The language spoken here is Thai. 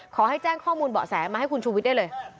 ขอให้แจ้งข้อมูลเบาะแสมาให้คุณชูวิทย์ได้เลย